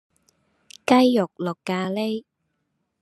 雞肉綠咖哩